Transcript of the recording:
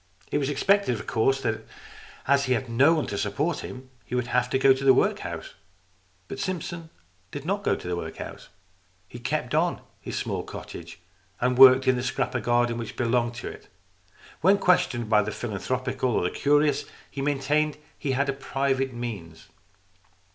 It was expected, of course, that, as he had no one to support him, he would have to go to the workhouse. But Simpson did not go to the workhouse. He kept on his small cottage and worked in the scrap of garden which belonged to it. When questioned by the philanthropical or the curious, he maintained that he had private means.